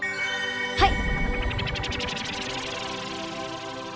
はい。